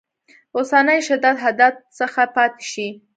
اوسني شدت حدت څخه پاتې شي.